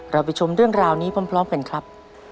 ไปชมเรื่องราวนี้พร้อมกันครับ